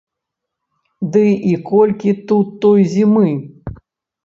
Ды і колькі тут той зімы.